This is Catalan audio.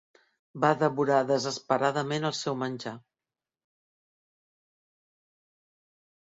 Va devorar desesperadament el seu menjar.